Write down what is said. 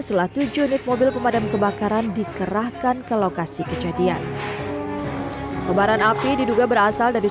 setelah tujuh unit mobil pemadam kebakaran dikerahkan ke lokasi kejadian kebaran api diduga berasal dari